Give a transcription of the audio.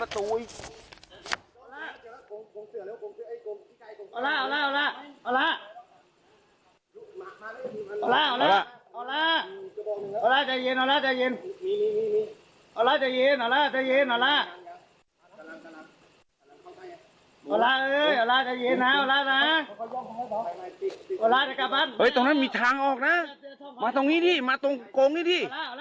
ถ้ามีทางออกนะมาตรงนี้ดิมาตรงโกงนี้ดิ